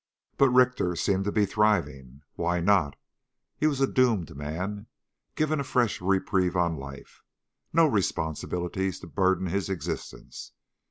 But Richter seemed to be thriving. Why not? He was a doomed man given a fresh reprieve on life, with no responsibilities to burden his existence.